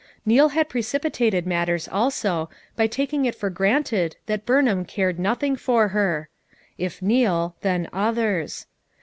Neal had precipitated matters also by taking it for granted that Burnham cared nothing for her; if Neal, then others.